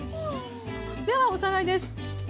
ではおさらいです。